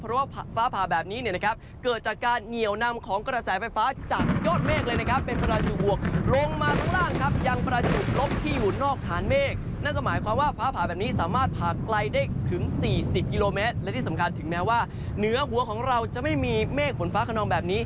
เพราะว่าฟ้าผ่าแบบนี้นะครับเกิดจากการเหนียวนำของกระแสไฟฟ้าจากยกเมฆเลยนะครับ